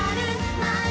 はい！